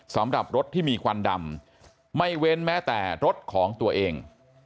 สำหรับรถที่มีควันดำไม่เว้นแม้แต่รถของตัวเอง